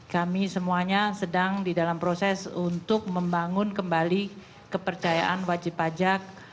kami semuanya sedang di dalam proses untuk membangun kembali kepercayaan wajib pajak